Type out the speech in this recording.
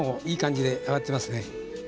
いい感じで揚がってますね。